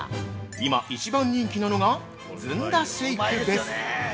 今、一番人気なのが「ずんだシェイク」です。